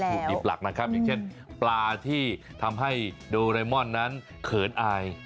ดิบหลักนะครับอย่างเช่นปลาที่ทำให้โดเรมอนนั้นเขินอาย